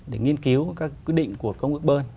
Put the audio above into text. để nghiên cứu các quyết định của công ước bơn